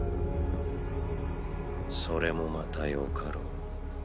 それもまたよかろう。